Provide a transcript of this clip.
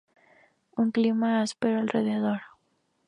Un clima áspero alrededor.